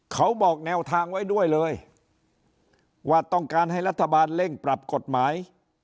เขาบอกแนวทางไว้ด้วยเลยว่าต้องการให้รัฐบาลเร่งปรับกฎหมาย